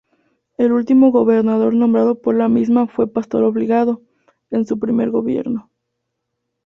El último gobernador nombrado por la misma fue Pastor Obligado, en su primer gobierno.